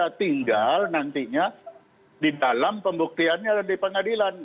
tinggal nantinya di dalam pembuktiannya di pengadilan